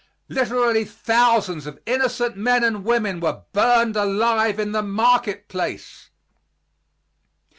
Literally thousands of innocent men and women were burned alive in the market place.